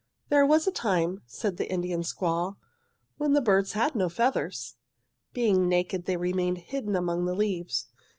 "'There was a time,' said the Indian squaw, 'when the birds had no feathers. "'Being naked, they remained hidden among the leaves.